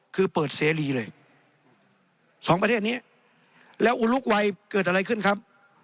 คือเปิดเสรีเลยสองประเทศนี้แล้วอุลุกวัยเกิดอะไรขึ้นครับ